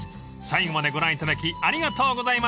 ［最後までご覧いただきありがとうございました］